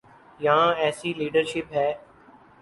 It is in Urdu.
یہاں ایسی لیڈرشپ ہے؟